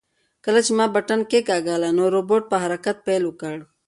کله چې ما بټن کېکاږله نو روبوټ په حرکت پیل وکړ.